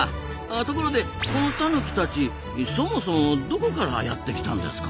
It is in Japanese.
ところでこのタヌキたちそもそもどこからやって来たんですか？